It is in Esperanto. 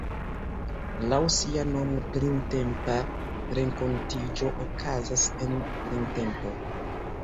Laŭ sia nomo, Printempa Renkontiĝo okazas en... printempo.